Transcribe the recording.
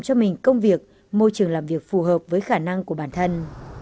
cho mình công việc môi trường làm việc phù hợp với khả năng của bản thân